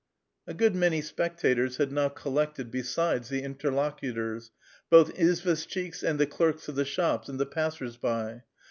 A gooil many 8i)ectators had now collected besides the intork>cutor3, both izvtjshchiks^ and the clerks of the shops, and the passers by.